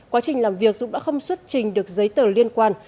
quá trình làm việc dũng đã không xuất trình được giấy tờ liên quan